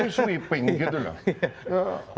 buku buku sweeping gitu loh